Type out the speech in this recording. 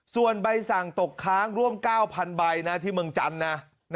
ส่วนใบสั่งตกค้างร่วม๙๐๐ใบนะที่เมืองจันทร์นะ